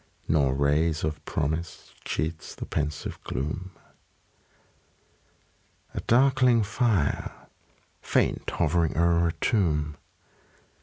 Nor ray of promise cheats the pensive gloom. A darkling fire, faint hovering o'er a tomb.